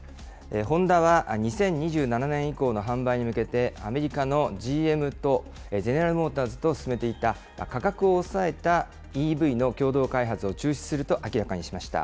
ホンダは２０２７年以降の販売に向けて、アメリカのＧＭ・ゼネラル・モーターズと進めていた、価格を抑えたＥＶの共同開発を中止すると明らかにしました。